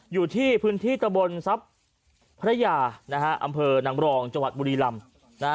อยู่ที่พื้นที่ตะบนทรัพยาอำเภอนังรองจังหวัดบุรีรำ